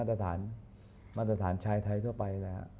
ผล่าทัวร์ม่อสถานชายไทยทั่วไป